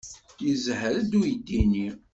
Yezher-d uydi-nni.